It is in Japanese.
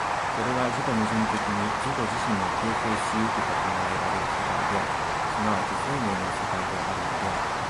それは自己矛盾的に自己自身を形成し行くと考えられる世界である、即ち生命の世界であるのである。